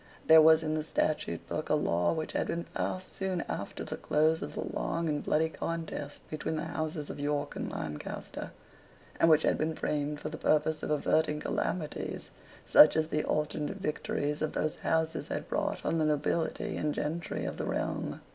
There was in the statute book a law which had been passed soon after the close of the long and bloody contest between the Houses of York and Lancaster, and which had been framed for the purpose of averting calamities such as the alternate victories of those Houses had brought on the nobility and gentry of the realm.